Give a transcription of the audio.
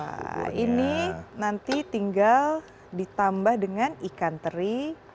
nah ini nanti tinggal ditambah dengan ikan teri